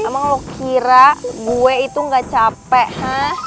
emang lo kira gue itu gak capek